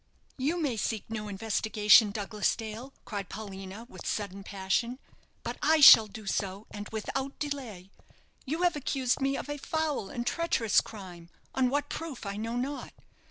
"You may seek no investigation, Douglas Dale," cried Paulina, with sudden passion; "but I shall do so, and without delay. You have accused me of a foul and treacherous crime on what proof I know not.